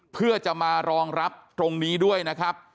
เพื่อจะมารองรับตรงนี้ด้วยนะครับ